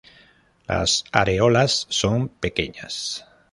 Las areolas son pequeñas.